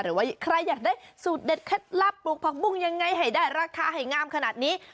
หรือว่าใครอยากได้สูตรเด็ดเคล็ดลับปลูกผักบุ้งยังไงให้ได้ราคาให้งามขนาดนี้